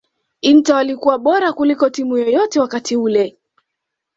Inter walikuwa bora kuliko timu yoyote wakati ule